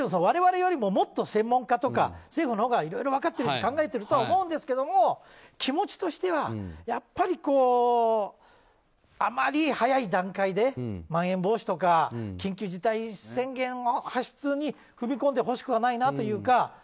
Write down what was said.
我々よりももっと専門家とか政府のほうがいろいろ分かっているし考えてるとは思うんですけども気持ちとしてはやっぱり、あまり早い段階でまん延防止とか緊急事態宣言の発出に踏み込んでほしくはないなというか。